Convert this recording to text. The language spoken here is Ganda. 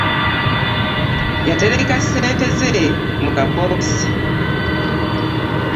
Yatereka ssente ze mu kabokisi.